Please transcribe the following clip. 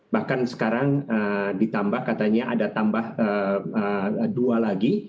bahkan sekarang ditambah katanya ada tambah dua lagi